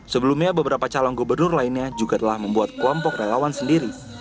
sebelumnya beberapa calon gubernur lainnya juga telah membuat kelompok relawan sendiri